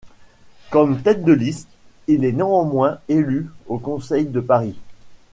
Comme tête de liste, il est néanmoins élu au conseil de Paris.